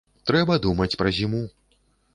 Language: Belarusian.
Трэба думаць пра зіму.